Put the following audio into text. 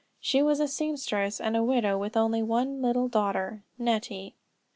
She was a seamstress and a widow with one little daughter, Nettie.